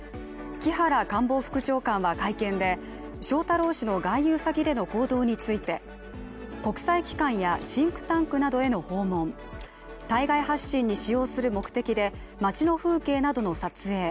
木原官房副長官は会見で翔太郎氏の外遊先での行動について国際機関やシンクタンクなどへの訪問対外発信に使用する目的で街の風景などの撮影。